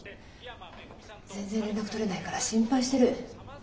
全然連絡取れないから心配してる。